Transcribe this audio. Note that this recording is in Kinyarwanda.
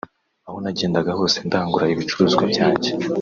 Aho nagendaga hose ndangura ibicuruzwa byanjye